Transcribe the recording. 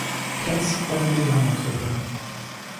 Platz beim Lillehammer Triple.